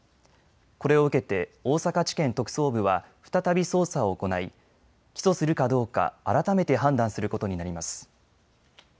これを受けて大阪地検特捜部は再び捜査を行い起訴するかどうか改めて判断することになります。